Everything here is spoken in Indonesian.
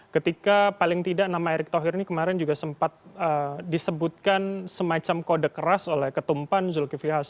ketika paling tidak nama erick thohir ini kemarin juga sempat disebutkan semacam kode keras oleh ketumpan zulkifli hasan